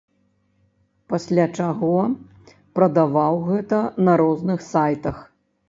Пасля чаго прадаваў гэта на розных сайтах.